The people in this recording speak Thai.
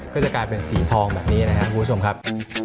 ก็จะกลายเป็นสีทองแบบนี้นะครับคุณผู้ชมครับ